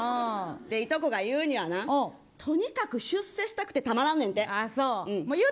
いとこが言うにはなとにかく出世したくてたまらんねんて。